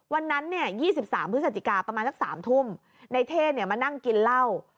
วันนั้นเนี่ย๒๓พฤศจิกาประมาณสัก๓ทุ่มในเท่มานั่งกินเหล้า